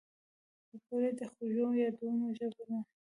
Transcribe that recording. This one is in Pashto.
پکورې د خوږو یادونو ژبه ده